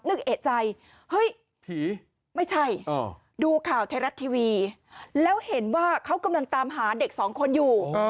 เอกใจเฮ้ยผีไม่ใช่ดูข่าวไทยรัฐทีวีแล้วเห็นว่าเขากำลังตามหาเด็กสองคนอยู่